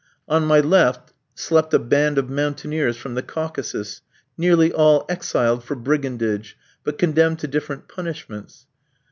On my left slept a band of mountaineers from the Caucasus, nearly all exiled for brigandage, but condemned to different punishments.